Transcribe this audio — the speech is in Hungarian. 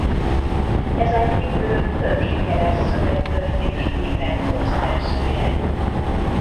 Ezenkívül több sikeres szövegkönyv és librettó szerzője.